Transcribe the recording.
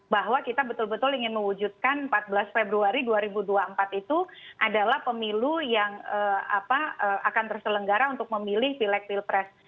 bahwa kita betul betul ingin mewujudkan empat belas februari dua ribu dua puluh empat itu adalah pemilu yang akan terselenggara untuk memilih pilek pilpres